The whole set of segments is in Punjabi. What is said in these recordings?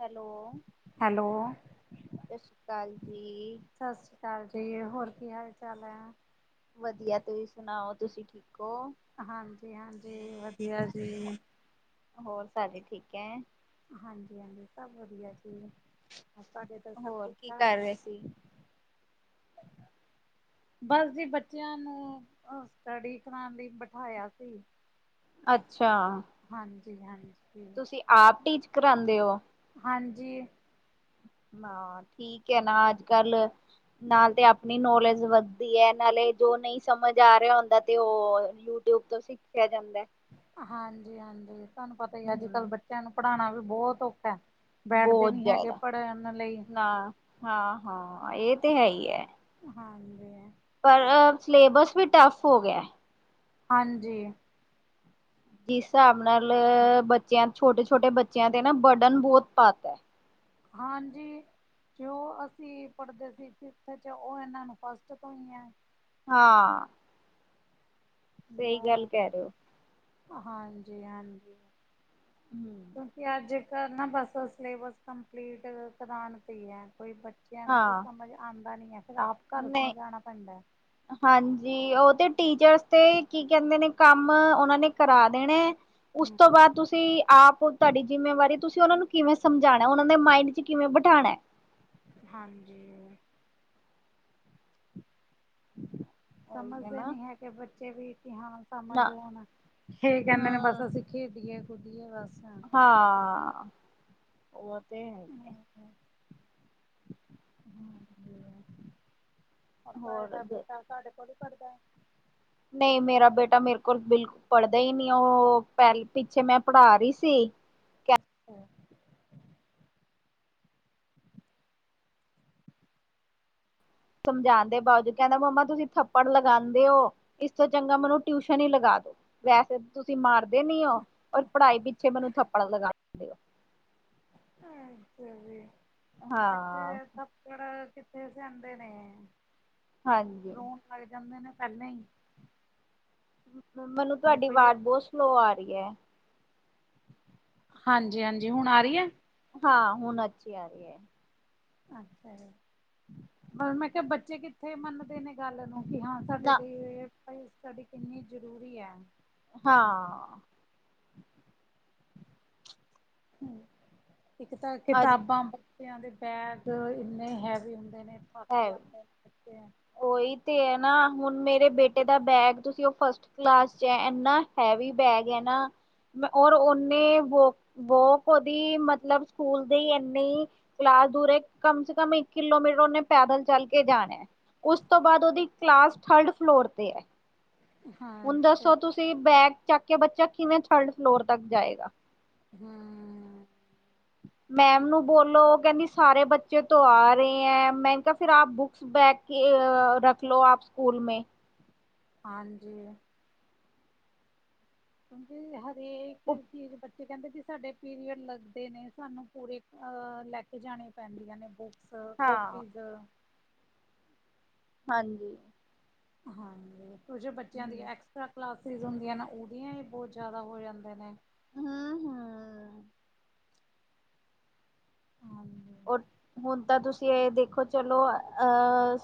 ਹੈਲੋ ਸਤਿ ਸ਼੍ਰੀ ਅਕਾਲ ਜੀ ਸਤਿ ਸ਼੍ਰੀ ਅਕਾਲ ਜੀ ਹੋਰ ਕੀ ਹਾਲ ਚਾਲ ਹੈ। ਵਧੀਆ ਤੁਸੀਂ ਸੁਣਾਓ ਤੁਸੀਂ ਠੀਕ ਹੋ ਹਾਂਜੀ ਹਾਂਜੀ ਵਧੀਆ ਜੀ ਹੋਰ ਸਾਡੇ ਠੀਕ ਹੈ। ਹਾਂਜੀ ਹਾਂਜੀ ਸਭ ਵਧੀਆ ਜੀ [unintelligible] ਤਾਂ ਸਭ ਹੋਰ ਠੀਕ ਕੀ ਠਾਕ ਕਰ ਰਹੇ ਸੀ ਬਸ ਜੀ ਬੱਚਿਆਂ ਨੂੰ ਸਟੱਡੀ ਕਰਾਉਣ ਲਈ ਬਿਠਾਇਆ ਸੀ। ਅੱਛਾ। ਹਾਂਜੀ ਹਾਂਜੀ ਤੁਸੀਂ ਆਪ ਟੀਚ ਕਰਾਉਂਦੇ ਹੋ ਹਾਂਜੀ ਹਾਂ ਠੀਕ ਹੈ ਨਾ ਅੱਜ ਕੱਲ ਨਾਲ ਤੇ ਆਪ ਨੌਲੇਜ ਵੱਧਦੀ ਹੈ ਨਾਲੇ ਜੋ ਨਹੀਂ ਸਮਝ ਆ ਰਿਹਾ ਹੁੰਦਾ ਤੇ ਉਹ ਯੂਟਿਊਬ ਅਸੀਂ ਕਿਹਾ ਜਾਂਦਾ ਹਾਂਜੀ ਹਾਂਜੀ, ਤੁਹਾਨੂੰ ਪਤਾ ਹੀ ਅੱਜ ਕੱਲ ਹਮ ਬੱਚਿਆਂ ਨੂੰ ਪੜ੍ਹਾਉਣਾ ਵੀ ਬਹੁਤ ਔਖਾ ਹੈ। ਬੈਠਦੇ ਬਹੁਤ ਨੀ ਹੈਗੇ ਜ਼ਿਆਦਾ ਪੜ੍ਹਨ ਅਲੇ। ਨਾ ਹਾਂ ਹਾਂ ਇਹ ਤੇ ਹੈ ਹੀ ਹੈ। ਹਾਂਜੀ, ਪਰ ਸਿਲੇਬਸ ਵੀ ਟਫ ਹੋ ਗਿਆ। ਹਾਂਜੀ ਜਿਸ ਹਿਸਾਬ ਨਾਲ ਬੱਚਿਆਂ ਛੋਟੇ ਛੋਟੇ ਬੱਚਿਆਂ ਤੇ ਨਾ ਵਰਡਨ ਬਹੁਤ ਪਾ ਤਾ ਹੈ। ਹਾਂਜੀ ਕਿਉਂ ਅਸੀਂ ਪੜਦੇ ਸੀ ਫਿਫਥ ਵਿੱਚ ਉਹ ਇਹਨਾਂ ਨੂੰ ਫਸਟ ਤੋਂ ਹੀ ਹੈ। ਹਾਂ ਸਹੀ ਗੱਲ ਬਾ ਕਹਿ ਰਹੇ ਹੋ। ਹਾਂਜੀ ਹਾਂਜੀ, ਹੂੰ ਕਿਉਂਕਿ ਅੱਜ ਕੱਲ ਨਾ ਬਸ ਸਿਲੇਬਸ ਕੰਪਲੀਟ ਕੁਰਾਨ ਤੇ ਹੈ ਕੋਈ ਬੱਚਿਆਂ ਨੂੰ ਕੋ ਹਾਂ ਸਮਝ ਆਉਂਦਾ ਨੀ ਹੈ ਫਿਰ ਆਪ ਘਰ ਨਹੀਂ ਸਮਝਾਣਾ ਪੈਂਦਾ ਹਾਂਜੀ, ਉਹ ਤੇ ਟੀਚਰਸ ਤੇ ਕੀ ਕਹਿੰਦੇ ਨੇ ਕੰਮ ਉਹਨਾ ਨੇ ਕਰਾ ਦੇਣੇ ਉਸ ਤੋਂ ਬਾਅਦ ਤੁਸੀਂ ਆਪ ਤੁਹਾਡੀ ਜਿੰਮੇਵਾਰੀ ਤੁਸੀਂ ਉਹਨਾਂ ਨੂੰ ਕਿਵੇਂ ਸਮਝਾਉਣਾ ਉਹਨਾਂ ਦੇ ਮਾਇੰਡ ਵਿੱਚ ਕਿਵੇਂ ਬਿਠਉਣਾ। ਹਾਂਜੀ ਉਹੀ ਸਮਝਦੇ ਨਾ। ਨੀ ਹੈ, ਕਿ ਬੱਚੇ ਵੀ ਹਾਂ ਸਮਝ ਨਾ ਹੁਣ ਇਹ ਕਹਿੰਦੇ ਨੇ ਹੂੰ ਬਸ ਅਸੀਂ। ਖੇਡੀਏ ਖੁਡਏ ਰਸ ਹਨ। ਹਾਂ, ਉਹ ਤੇ ਹੈ। ਹਾਂ [unintelligible] ਪੱਕਾ ਹੋਰ ਬੇਟਾ ਸਾਡੇ ਕੋਲ ਪੜ੍ਹਦਾ ਹੈ। ਨਹੀਂ ਮੇਰਾ ਬੇਟਾ ਮੇਰੇ ਕੋਲ ਬਿਲਕੁਲ ਪੜ੍ਹਦਾ ਹੀ ਨਹੀਂ ਉਹ ਪਹਿਲ ਪਿੱਛੇ ਮੈਂ ਪੜ੍ਹਾ ਰਹੀ ਸੀ। ਅੱਛਾ। ਸਮਝਾਣ ਦੇ ਬਾਵਜੂਦ ਕਹਿੰਦਾ ਮੰਮਾ ਤੁਸੀਂ ਥੱਪੜ ਲਗਾਉਂਦੇ ਹੋ। ਇਸ ਤੋਂ ਚੰਗਾ ਮੈਨੂੰ ਟਿਊਸ਼ਨ ਹੀ ਲਗਾ ਦੋ, ਵੈਸੇ ਤੁਸੀਂ ਮਾਰ ਨੀ ਔਰ ਪੜ੍ਹਾਈ ਪਿੱਛੇ ਮੈਨੂੰ ਥੱਪੜ ਲਗਾਂਦੇ ਹੋ ਅੱਛਾ ਜੀ ਹੋ ਬੱਚੇ ਹਾਂ ਇਹ ਸਭ ਪੜਾ ਕਿੱਥੇ ਸੈਦੇ ਨੇ ਹਾਂਜੀ ਨੌ ਲਗ ਜਾਂਦੇ ਨੇ ਪਹਿਲਾਂ ਹੀ ਮੈਨੂੰ ਤੁਹਾਡੀ ਆਵਾਜ਼ ਬਹੁਤ ਸਲੋ ਆ ਰਹੀ ਹੈ। ਹਾਂਜੀ ਹਾਂਜੀ, ਹੁਣ ਆ ਰਹੀ ਹੈ। ਹਾਂ ਹੁਣ ਅੱਛੀ ਆ ਰਹੀ ਹੈ। ਅੱਛਾ ਜੀ ਮੈਂ ਕਿਹਾ ਬੱਚੇ ਕਿੱਥੇ ਮੰਨਦੇ ਨੇ ਗੱਲ ਨੂੰ ਕਿ ਹਾ ਸਾਡੇ ਨਾ ਲਈ ਸਟੱਡੀ ਕਿੰਨੀ ਜ਼ਰੂਰੀ ਹੈ। ਹਾਂ ਹਮ, ਕਿ ਤਾਂ ਅੱਜ ਕਿਤਾਬਾ ਬੂ ਬੱਚਿਆਂ ਦੇ ਬੈਗ ਇੰਨੇ ਹੈਵੀ ਹੁੰਦੇ ਨੇ ਫਟ ਹੈ ਜਾਂਦੇ ਨੇ [unintelligible] ਉਹੀ ਤੇ ਹੈ ਨਾ, ਹੁਣ ਮੇਰੇ ਬੇਟੇ ਦਾ ਬੈਗ ਤੁਸੀਂ ਉਹ ਫਸਟ ਕਲਾਸ ਚ ਹੈ ਐਨਾ ਹੈਵੀ ਬੈਗ ਹੈ ਨਾ ਔਰ ਓਨੇ ਵ ਬੋਕ ਉਹਦੀ ਮਤਲਬ ਸਕੂਲ ਦੀ ਇਨੀ ਕਲਾਸ ਦੂਰ ਹੈ ਕਮ ਸੇ ਕਮ ਇੱਕ ਕਿਲੋਮੀਟਰ ਉਹਨੇ ਪੈਦਲ ਚਲ ਕੇ ਜਾਣਾ। ਉਸ ਤੋਂ ਬਾਦ ਓਦੀ ਕਲਾਸ ਥਰਡ ਫਲੋਰ ਤੇ ਹੈ। ਹੁਣ ਦੱਸੋ ਤੁਸੀਂ ਬੈਗ ਚੱਕ ਕੇ ਬੱਚਾ ਕਿਵੇਂ ਥਰਡ ਫਲੋਰ ਤੱਕ ਜਾਏਗਾ। ਹੂੰ ਮੈਮ ਨੂੰ ਬੋਲੋ ਉਹ ਕਹਿੰਦੀ ਸਾਰੇ ਬੱਚੇ ਤੋਂ ਆ ਰਹੇ ਹੈ ਮੈਂ ਕਿਹਾ ਫਿਰ ਆਪ ਬੁੱਕਸ ਬੈਗ ਕੇ ਰੱਖ ਲੋੋ ਆਪ ਸਕੂਲ ਮੇ। ਹਾਂਜੀ ਕਿਉਂਕਿ ਹਰੇ‌ ਇਕ ਚੀਜ਼ ਬੱ ਬੱਚੇ ਕਹਿੰਦੇ ਸੀ ਸਾਡੇ ਪੀਰੀਅਡ ਲੱਗਦੇ ਨੇ ਸਾਨੂੰ ਪੂਰੇ ਅ ਲੈ ਕੇ ਜਾਣੇ ਪੈਂਦੀਆਂ ਨੇ ਬੁ ਹਾਂ [unintelligible] ਹਾਂਜੀ। ਹਾਂਜੀ ਕੁਛ ਬੱਚਿਆਂ ਦੀ ਹੂੰ। ਐਕਸਟਰਾ ਕਲਾਸ ਸਰੀਜ਼ ਹੁੰਦੀਆਂ ਨਾ ਉਹਦੀਆਂ ਹੀ ਬਹੁਤ ਜਾਦਾ ਹੋ ਜਾਂਦੇ ਨੇ। ਹੂੰ-ਹੂੰ ਹਾਂਜੀ ਔਰ ਹੁਣ ਤਾਂ ਤੁਸੀਂ ਇਹ ਦੇਖੋ ਚਲੋ ਅਹ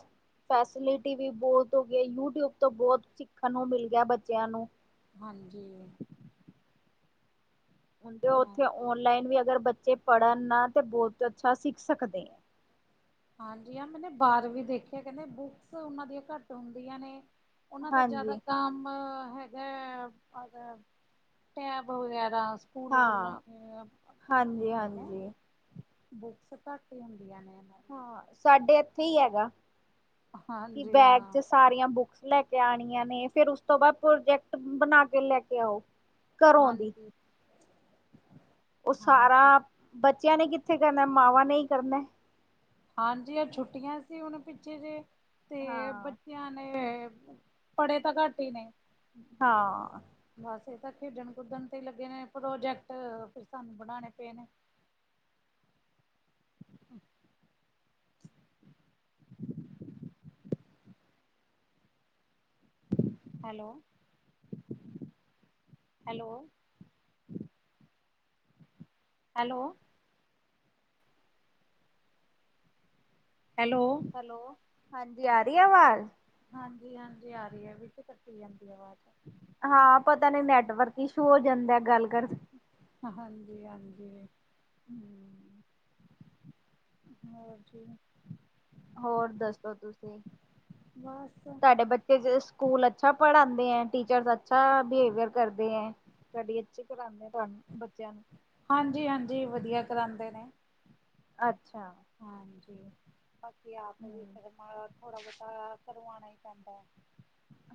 ਫੈਸਿਲਿਟੀ ਵੀ ਬੋਹਤ ਹੋ ਗਈ ਹੈ ਯੂਟਿਊਬ ਤੋਂ ਬੋਹਤ ਸਿੱਖਣ ਨੂੰ ਮਿਲ ਗਿਆ ਬੱਚਿਆਂ ਨੂੰ। ਹਾਂਜੀ। ਜੇ ਉੱਥੇ ਓਨਲਾਈਨ ਵੀ ਅਗਰ ਬੱਚੇ ਪੜ੍ਹਨ ਨਾ ਤੇ ਬਹੁਤ ਅੱਛਾ ਸਿੱਖ ਸਕਦੇ। ਹਾਂਜੀ ਆ ਮੈਨੇ ਬਾਹਰ ਵੀ ਦੇਖਿਆ ਕਹਿੰਦੇ ਬੁੱਕਸ ਉਹਨਾਂ ਦੀਆਂ ਘੱਟ ਹੁੰਦੀਆਂ ਨੇ ਉਹਨਾਂ ਦਾ ਜਾਦਾ ਹਾਂਜੀ, ਕੰਮ ਹੈ ਗਾ [unintelligible] ਟੈਬ ਵਗੈਰਾ। ਸਕੂਲ ਵੱਲੋਂ ਹਾਂ, ਹੀ ਹੁੰਦੇ ਨੇ। ਹਾਂਜੀ-ਹਾਂਜੀ। ਬੁੱਕਸ ਘੱਟ ਹੀ ਹੁੰਦੀਆਂ ਨੇ ਇਨ੍ਹਾਂ ਹਾਂ ਸਾਡੇ ਇੱਥੇ ਹੀ ਹੈਗਾ ਕਿ ਬੈਗ ਚ ਸਾਰੀਆਂ ਬੁੱਕਸ ਲੈ ਕੇ ਆਣੀਆਂ ਨੇ ਫੇਰ ਉਸ ਤੋਂ ਬਾਦ ਪ੍ਰੋਜੈਕਟ ਬਣਾ ਕੇ ਲੈ ਕੇ ਆਓ। ਘਰੋਂ ਦੀ ਉਹ ਸਾਰਾ ਬੱਚਿਆਂ ਨੇ ਕਿੱਥੇ ਕਰਨਾ ਮਾਵਾਂ ਨੇ ਹੀ ਕਰਨਾ। ਹਾਂਜੀ ਆ ਛੁੱਟੀਆਂ ਸੀ ਹੁਣ ਪਿੱਛੇ ਜੇ ਤੇ ਹਾਂ। ਬੱਚਿਆਂ ਨੇ ਪੜ੍ਹੇ ਤਾਂ ਘੱਟ ਹੀ ਨੇ। ਹਾਂ। ਬਸ ਇਹ ਤਾਂ ਖੇਡਣ ਕੁਦਣ ਤੇ ਲੱਗੇ ਨੇ ਪ੍ਰੋਜੈਕਟ ਫਿਰ ਸਾਨੂੰ ਬਣਾਣੇ ਪਏ ਨੇ। ਹੈਲੋ। Hello hello hello. ਹੈਲੋ, ਹਾਂਜੀ ਆ ਰਹੀ ਆ ਆਵਾਜ਼? ਹਾਂਜੀ-ਹਾਂਜੀ। ਆ ਰਹੀ ਹੈ, ਵਿੱਚ ਕੱਟੀ ਜਾਂਦੀ ਆਵਾਜ਼। ਹਾਂ ਪਤਾ ਨਹੀਂ ਨੈਟਵਰਕ ਇ ਮੋ਼ ਹੋ ਜਾਂਦਾ ਗੱਲ ਕਰਦ ਹਾਂਜੀ, ਹਾਂਜੀ। ਹਮਮ। ਹੋਰ ਜੀ ਹੋਰ ਦੱਸੋ ਤੁਸੀਂ? ਤੁਹਾਡੇ ਬੱਚੇ ਤੇ-ਜ-ਸਕੂਲ ਅੱਛਾ ਪੜ੍ਹਾਉਂਦੇ ਹੈ? ਟੀਚਰਸ ਅੱਛਾ ਬਿਹੇਵੀਅਰ ਕਰਦੇ ਹੈ? [unintelligible] ਪੜ੍ਹਨ, ਬੱਚਿਆਂ ਨੂੰ। ਹਾਂਜੀ, ਹਾਂਜੀ ਵਧੀਆ ਕਰਾਉਂਦੇ ਨੇ। ਅੱਛਾ। ਹਾਂਜੀ। ਬਾਕੀ ਆਪ ਵੀ ਹੂੰ। ਕਰਨਾਥੋੜਾ ਬਹੁਤਾ ਕਰਵਾਣਾ ਹੀ ਪੈਂਦਾ ਹੈ।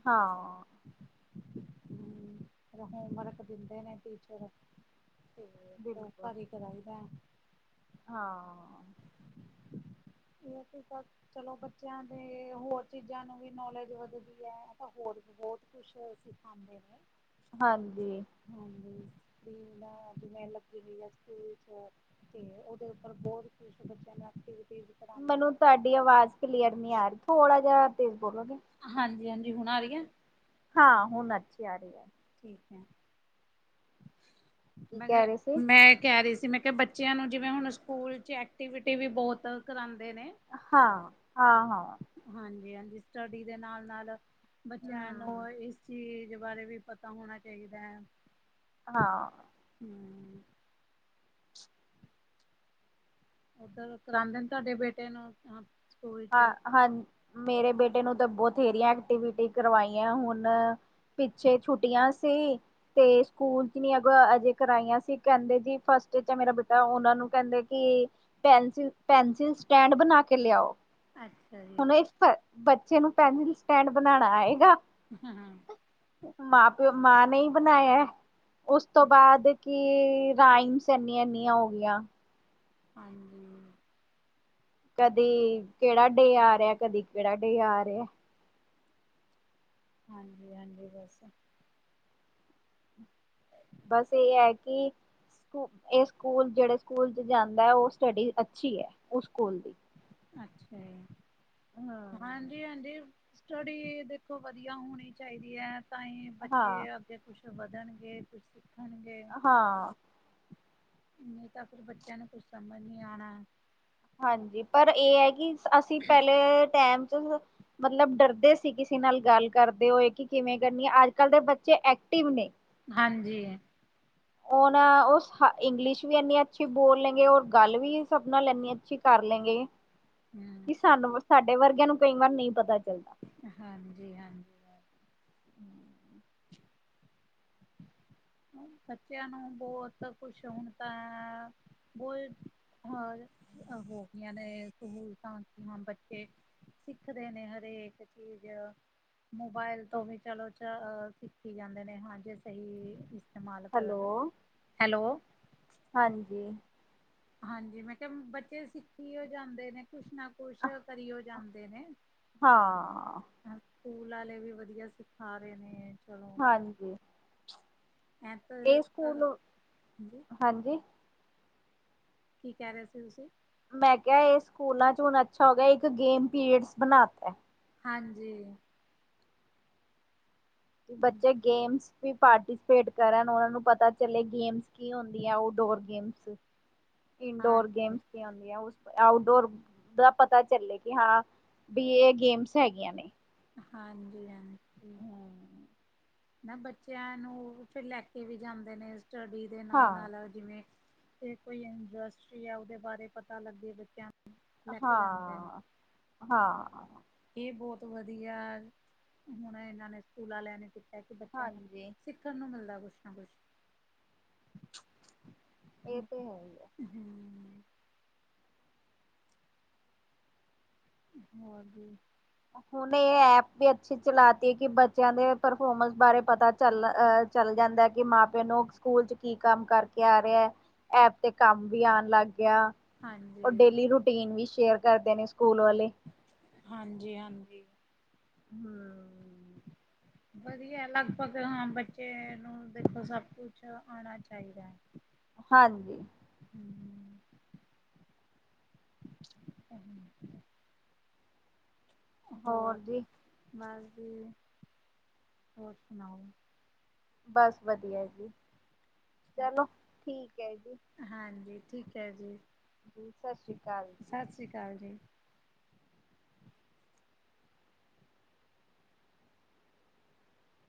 ਹਾਂ। ਹਮ। ਫਿਰ ਹੋਮਵਰਕ ਦਿੰਦੇ ਨੇ ਟੀਚਰ। ਤੇ ਬਿਲਕੁਲ। [unintelligible] ਵੀ ਕਰਾਇਦਾ ਏ ਹਾਂ। ਇਹ ਤੇ ਸਬ ਚਲੋ ਬੱਚਿਆਂ ਦੇ ਹੋਰ ਚੀਜ਼ਾਂ ਨੂੰ ਵੀ ਨੌਲੇਜ ਵੱਧਦੀ ਹੈ ਤਾਂ, ਹੋਰ ਬੀ ਬਹੁਤ ਕੁਛ ਹੋਰ ਸਿਖਾਂਦੇ ਨੇ। ਹਾਂਜੀ। ਹਾਂਜੀ ਬੀ ਮੈਂ ਜਿਵੇਂ ਲੱਗੀ ਹੋਈ ਆ ਸਕੂਲ ਚ ਤੇ ਉਹਦੇ ਉੱਪਰ ਬਹੁਤ ਕੁਛ ਬੱਚਿਆਂ ਨੇ ਐਕਟੀਵਿਟੀਜ ਮੈਨੂੰ ਤੁਹਾਡੀ ਆਵਾਜ਼ ਕਲੀਅਰ ਨਹੀਂ ਆ ਰਹੀ। ਥੋੜਾ ਜਿਹਾ ਤੇਜ਼ ਬੋਲੋਗੇ? ਹਾਂਜੀ--ਹਾਂਜੀ ਹੁਣ ਆ ਰਹੀ ਹੈ? ਹਾਂ ਹੁਣ ਅੱਛੀ ਆ ਰਹੀ ਏ। ਠੀਕ ਹੈ, ਕੀ ਮੈਂ ਕਿਹਾ, ਕਹਿ ਰਹੇ ਸੀ? ਮੈਂ ਕਹਿ ਰਹੀ ਸੀ, ਮੈਂ ਕਿ ਬੱਚੇ ਬੱਚਿਆਂ ਨੂੰ, ਜਿਵੇਂ ਹੁਣ ਸਕੂਲ ਚ ਐਕਟੀਵਿਟੀ ਵੀ ਬਹੁਤ, ਕਰਾਉਂਦੇ ਨੇ। ਹਾਂ-ਹਾਂ-ਹਾਂ। ਹਾਂਜੀ-ਹਾਂਜੀ ਸਟੱਡੀ ਦੇ ਨਾਲ-ਨਾਲ ਬੱਚਿਆਂ ਹੂੰ। ਨੂੰ ਇਸ ਚੀਜ਼ ਬਾਰੇ ਵੀ ਪਤਾ ਹੋਣਾ ਚਾਹੀਦਾ ਹੈ। ਹਾਂ। ਹਮ। ਓਧਰ ਉ ਕਰਾਂਦੇ ਨੇ ਤੁਹਾਡੇ ਬੇਟੇ ਨੂੰ? ਹਾਂ-ਹਾਂ ਮੇਰੇ ਬੇਟੇ ਨੂੰ ਤਾਂ ਬਥੇਰੀਆਂ ਐਕਟੀਵਿਟੀ ਕਰਵਾਈਆਂ ਹੁਣ। ਪਿਛੇ ਛੁੱਟੀਆਂ ਸੀ। ਤੇ ਸਕੂਲ ਚ ਨੀ-ਅਗ-ਅ-ਅਜ ਕਰਾਈਆਂ ਸੀ। ਕਹਿੰਦੇ ਜੀ ਫਸਟ ਚ ਮੇਰਾ ਬੇਟਾ ਉਹਨਾ ਨੂੰ, ਕਹਿੰਦੇ ਕਿ ਪੈਨਸਿਲ-ਪੈਨਸਿਲ ਸਟੈਂਡ ਬਣਾ ਕੇ ਲਿਆਓ? ਅੱਛਾ ਜੀ। ਹੁਣ ਇਸ ਪ-ਬੱਚੇ ਨੂੰ ਪੈਨਸਿਲ ਸਟੈਂਡ ਬਣਾਣਾ ਆਏਗਾ? ਹਹਾਂਹਾ ਮਾਂ ਪਿਓ ਮਾਂ ਨੇ ਹੀ ਬਣਾਇਆ ਹੈ। ਉਸ ਤੋਂ ਬਾਅਦ ਕਿ ਰਾਈਮਸ ਇੰਨੀਆਂ-ਇਨੀਆਂ ਹੋ ਗਈਆਂ। ਹਾਂਜੀ ਕਦੀ ਕਿਹੜਾ ਡੇ ਆ ਰਿਹਾ ਹੈ, ਕਦੀ ਕਿਹੜਾ ਡੇ ਆ ਰਿਹਾ ਹੈ। ਹਾਂਜੀ-ਹਾਂਜੀ ਬਸ। ਬਸ, ਇਹ ਹੈ ਕਿ? ਇਹ ਸਕੂਲ, ਜਿਹੜੇ ਸਕੂਲ 'ਚ ਜਾਂਦਾ ਏ, ਉਹ ਸਟਡੀ ਅੱਛੀ ਐ, ਉਹ ਸਕੂਲ, ਦੀ ਅੱਛਾ, ਜੀ ਹ ਹਮ ਹਾਂਜੀ, ਸਟੱਡੀ ਦੇਖੋ ਵਧੀਆ ਹੋਣੀ ਚਾਈਦੀ ਐ ਤਾਂ ਈ ਹਾਂ ਬੱਚੇ ਅੱਗੇ ਕੁੱਛ, ਵਧਣਗੇ ਕੁਛ ਹਾਂ। ਨਹੀਂ ਤਾਂ ਫਿਰ ਬੱਚਿਆਂ ਨੂੰ ਕੁਝ ਸਮਝ ਨਹੀਂ ਆਉਣਾ। ਹਾਂਜੀ, ਪਰ ਇਹ ਐ ਕਿ, ਅਸੀਂ ਪਹਿਲੇ ਟਾਈਮ 'ਚ, ਮਤਲਬ ਡਰਦੇ ਸੀ। ਕਿ ਕਿਸੇ ਨਾਲ ਗੱਲ ਕਰਦੇ ਹੋਏ ਕਿ ਕਿਵੇਂ ਕਰਨੀ ਐ, ਅੱਜ-ਕੱਲ੍ਹ ਦੇ ਬੱਚੇ ਐਕਟਿਵ ਨੇ। ਹਾਂਜੀ। ਉਹ ਨਾ, ਉਹ ਇੰਗਲਿਸ਼ ਵੀ ਇੰਨੀ ਅੱਛੀ ਬੋਲ ਲੈ ਗੇ, ਔਰ ਗੱਲ ਵੀ ਸਭ ਨਾਲ ਇੰਨੀ ਅੱਛੀ ਕਰ ਲੈਂਗੇ, ਕਿ ਸਾਨੂੰ ਸਾਡੇ ਵਰਗਿਆਂ ਨੂੰ ਕਈ ਵਾਰ ਨ‌ਈਂ, ਪਤਾ ਚੱਲਦਾ ਹਾਂਜੀ-ਹਾਂਜੀ। ਬੱਚਿਆਂ ਨੂੰ ਬਹੁਤ ਕੁਛ ਹੁਣ ਤਾਂ ਬਹੁਤ ਹੀ ਹੋਗੀਆਂ ਨੇ ਸਹੂਲਤਾ ਹੁਣ ਬੱਚੇ ਸਿੱਖਦੇ ਨੇ ਹਰੇਕ ਚੀਜ਼ ਮੋਬਾਇਲ ਤੋਂ ਵੀ ਚਲੋ, ਸਿੱਖੀ ਜਾਂਦੇ ਨੇ, ਹਾਂ ਜੇ ਸਹੀ, ਇਸਤੇਮਾਲ ਕਰਨ, ਹੈਲੋ ਹੈਲੋ। ਹਾਂਜੀ। ਹਾਂਜੀ, ਮੈਂ ਕਿਹਾ ਬੱਚੇ ਸਿੱਖੀ ਓ ਜਾਂਦੇ ਨੇ ਕੁਛ ਨਾ ਕੁਛ, ਕਰੀ ਓ ਜਾਂਦੇ ਨੇ ਹਾਂ। ਸਕੂਲ ਆਲੇ ਵੀ ਵਧੀਆ ਸਿਖਾ ਰੇ ਨੇ ਚਲੋ ਹਾਂਜੀ। ਇਹ ਸਕੂਲ, ਹਾਂਜੀ। ਕੀ ਕਹਿ ਰ‌ਏ ਸੀ ਤੁਸੀਂ? ਮੈਂ ਕਿਹਾ, ਇਹ ਸਕੂਲਾਂ 'ਚ ਹੁਣ ਅੱਛਾ ਹੋ ਗਿਆ, ਇੱਕ ਗੇਮ ਪੀਰੀਅਡਸ ਬਣਾ ਤਾ ਹਾਂਜੀ। ਕਿ ਬੱਚੇ ਗੇਮਸ ਵੀ ਪਾਰਟੀਸਪੇਟ ਕਰਨ ਉਹਨਾਂ ਨੂੰ ਪਤਾ ਚਲੇ ਗੇਮਸ ਕੀ ਹੁੰਦੀਆ, ਆਊਡੋਰ ਗੇਮਸ ਇਨਡੋਰ ਗੇਮਸ ਵੀ ਹ‌ੁੰਦੀਆਂ, ਉਸ ਆਊਟਡੋਰ ਦਾ ਪਤਾ ਚੱਲੇ ਕਿ ਹਾਂ ਬ‌ਈ ਇਹ ਗੇਮਸ ਹੈਗੀਆਂ ਨੇ ਹਾਂਜੀ-ਹਾਂਜੀ। ਨਾ ਬੱਚਿਆਂ ਨੂੰ ਫਿਰ ਲੈ ਕੇ ਵੀ ਜਾਂਦੇ ਨੇ, ਸਟੱਡੀ ਦੇ ਹਾਂ ਨਾਲ-ਨਾਲ ਜਿਵੇ ਤੇ ਕੋਈ ਇੰਡਸਟਰੀਆ, ਓਦੇਂ ਬਾਰੇ ਪਤਾ ਲੱਗੇ ਬੱਚਿਆਂ ਲੈ ਕੇ ਜਾਂਦੇ ਨੇ ਹਾਂ ਹਾਂ ਇਹ ਬਹੁਤ ਵਧੀਆ, ਹੁਣ ਇਹਨਾਂ ਨੇ ਸਕੂਲਾਂ ਆਲਿਆਂ ਨੇ ਤੇ ਬੱਚਿਆਂ ਨੂੰ ਹਾਂਜੀ ਸਿੱਖਣ ਨੂੰ ਮਿਲਦਾ ਕੁਛ ਨਾ ਕੁਛ ਇਹ ਹੂੰ, ਤੇ ਹੈ ਹੀ ਆ ਹੂੰ ਹੋਰ ਜੀ? ਹੁਣ ਇਹ ਐਪ ਵੀ ਅੱਛੀ ਚਲਾਤੀ ਏ ਕਿ ਬੱਚਿਆਂ ਦੇ ਪਰਫੋਰਮੈਂਸ ਬਾਰੇ ਪਤਾ ਚੱਲ ਅ ਚੱਲ ਜਾਂਦਾ ਕਿ, ਮਾਂ ਪਿਓ ਨੂੰ ਸਕੂਲ 'ਚ ਕੀ ਕੰਮ ਕਰਕੇ ਆ ਰਿਆ ਐਪ ਤੇ ਕੰਮ ਵੀ ਆਣ ਲੱਗ ਗਿਆ ਉਹ ਡੇਲੀ ਰੂਟੀਨ ਵੀ ਸ਼ੇਅਰ ਕਰਦੇ ਨੇ ਸਕੂਲ ਵਾਲੇ ਹਾਂਜੀ-ਹਾਂਜੀ। ਹਮ। ਵਧੀਆ ਲਗਭਗ ਹਾਂ ਬੱਚੇ ਨੂੰ ਦੇਖੋ ਸਭ ਕੁਛ ਆਉਣਾ ਚਾਹੀਦਾ ਹੈ ਹਾਂਜੀ ਹਮ [unintelligible] ਹੋਰ ਬਸ ਜੀ ਹੋਰ ਸੁਣਾਓ ਬਸ ਵਧੀਆ ਜੀ ਚਲੋ ਠੀਕ ਹੈ ਜੀ ਹਾਂਜੀ ਠੀਕ ਹੈ ਜੀ ਜੀ ਸ਼੍ਰੀ ਸਤਿ ਅਕਾਲ ਜੀ ਸ਼੍ਰੀ ਅਕਾਲ ਜੀ